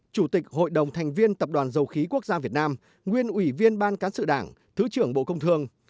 chủ tịch hội đồng thành viên tập đoàn dầu khí quốc gia việt nam nguyên ủy viên ban cán sự đảng thứ trưởng bộ công thương